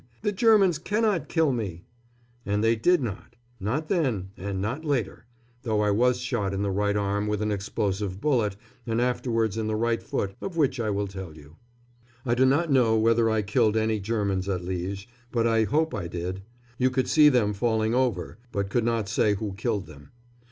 The Germans cannot kill me!" And they did not not then, and not later, though I was shot in the right arm with an explosive bullet and afterwards in the right foot, of which I will tell you. I do not know whether I killed any Germans at Liège, but I hope I did. You could see them falling over, but could not say who killed them.